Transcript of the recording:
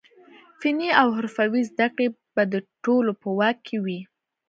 فني او حرفوي زده کړې به د ټولو په واک کې وي.